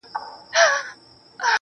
غږ مې نه اوري راڼه راڼه راګوري